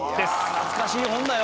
懐かしい本だよ。